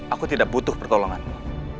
aku tidak butuh pertolonganmu